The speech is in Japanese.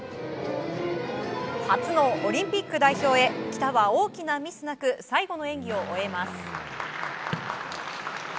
初のオリンピック代表へ喜田は大きなミスなく最後の演技を終えます。